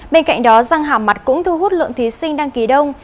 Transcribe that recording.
bên cạnh đó răng hàm mặt cũng thu hút lượng thí sinh đăng ký đông